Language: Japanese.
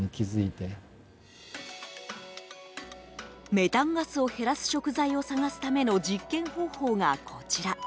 メタンガスを減らす食材を探すための実験方法が、こちら。